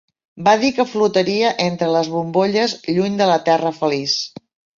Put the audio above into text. Va dir que flotaria entre les bombolles lluny de la Terra Feliç.